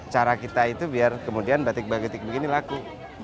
cara kita itu biar kemudian batik batik begini laku